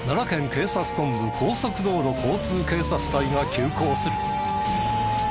警察本部高速道路交通警察隊が急行する。